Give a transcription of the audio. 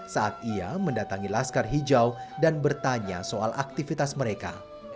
saat ia mendatangi laskar hijau dan bertanya soal aktivitas mereka